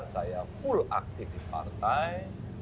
saya full aktif di partai